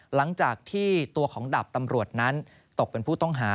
หลังจากที่ตัวของดาบตำรวจนั้นตกเป็นผู้ต้องหา